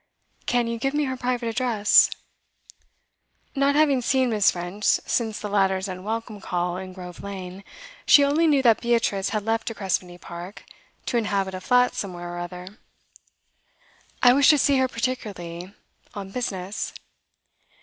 'Can you give me her private address?' Not having seen Miss. French since the latter's unwelcome call in Grove Lane, she only knew that Beatrice had left De Crespigny Park to inhabit a flat somewhere or other. 'I wish to see her particularly, on business.